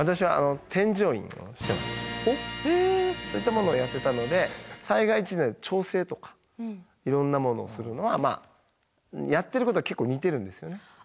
そういったものをやってたので災害地での調整とかいろんなものをするのはまあやってることは結構似てるんですよね。